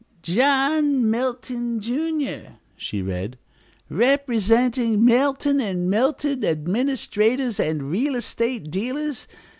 "'John Melton, Jr.,'" she read. "'Representing Melton and Melton, Administrators and Real Estate Dealers.